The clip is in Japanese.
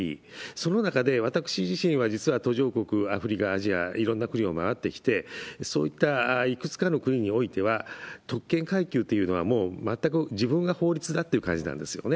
その中で私自身は、実は途上国、アフリカ、アジア、いろんな国を回ってきて、そういったいくつかの国においては、特権階級というのは、もう全く自分が法律だっていう感じなんですよね。